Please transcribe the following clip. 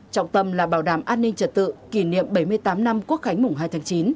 trọng tâm là bảo đảm an ninh trật tự kỷ niệm bảy mươi tám năm quốc khánh mùng hai tháng chín